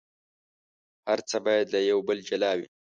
هر څه باید له یو بل جلا وي.